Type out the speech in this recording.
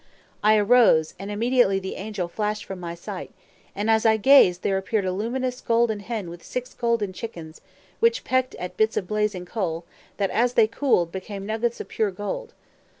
I arose, and immediately the angel flashed from my sight; and as I gazed there appeared a luminous golden hen with six golden chickens, which pecked at bits of blazing coal that, as they cooled, became nuggets of pure gold.